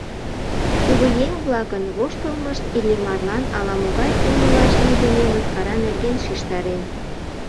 Кугыеҥ-влакын воштылмышт Иллимарлан ала-могай умылаш лийдыме мыскара нерген шижтарен.